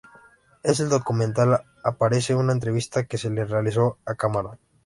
En el documental aparece una entrevista que se le realizó a Camarón.